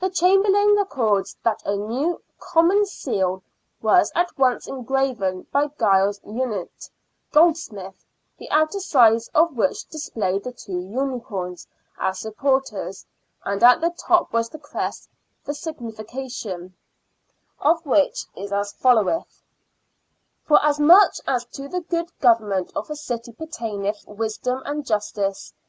The Chamberlain records that a new Common Seal was at once engraven by Giles Unyt, goldsmith, the outer sides of which displayed the two unicorns as supporters, and at the top was the crest," the signification* of which is as followeth : Forasmuch as to the good government of a city pertaineth wisdom and justice, * Given presumably by the inventor. 5 50 SIXTEENTH CENTURY BRISTOL.